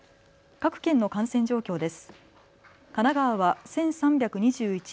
各県の感染状況です。